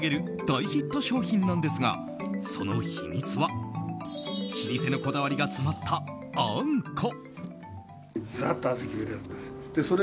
大ヒット商品なんですがその秘密は老舗のこだわりが詰まったあんこ。